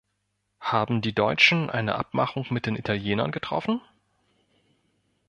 Haben die Deutschen eine Abmachung mit den Italienern getroffen?